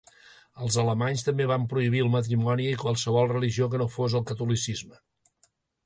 Els alemanys també van prohibir el matrimoni i qualsevol religió que no fos el catolicisme.